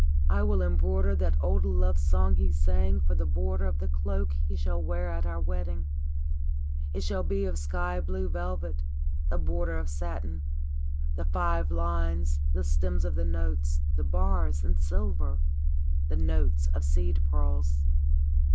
I will embroider that old love song he sang for the border of the cloak he shall wear at our wedding. It stiall 278 Jn Qiluer &pon Jtarple. be of sky blue velvet, the border of satin, the five lines, the stems of the notes, the bars in silver, the notes of seed pearls.